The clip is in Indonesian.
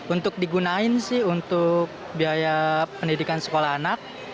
untuk digunain sih untuk biaya pendidikan sekolah anak